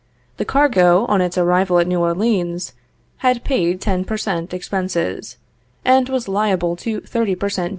The cargo, on its arrival at New Orleans, had paid ten per cent. expenses, and was liable to thirty per cent.